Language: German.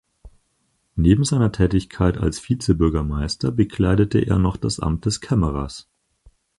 Neben seiner Tätigkeit als Vizebürgermeister bekleidete er noch das Amt des Kämmerers.